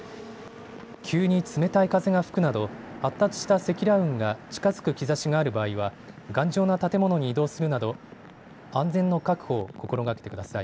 急に冷たい風が吹くなど発達した積乱雲が近づく兆しがある場合は頑丈な建物に移動するなど、安全の確保を心がけてください。